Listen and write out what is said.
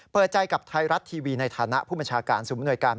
เปิดใจกับไทรัตทีวีในฐานะผู้ประชาการสุมนวยการ